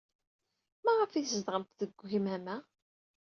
Maɣef ay tzedɣemt deg ugmam-a?